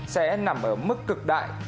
sẽ nằm ở mức cực đại